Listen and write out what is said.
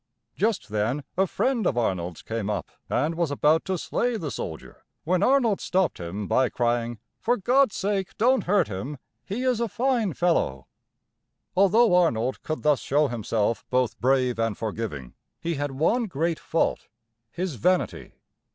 Just then a friend of Arnold's came up, and was about to slay the soldier, when Arnold stopped him by crying: "For God's sake, don't hurt him; he is a fine fellow!" Although Arnold could thus show himself both brave and forgiving, he had one great fault, his vanity.